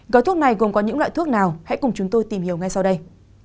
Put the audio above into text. gói thuốc này gồm có những loại thuốc nào hãy cùng chúng tôi tìm hiểu ngay sau đây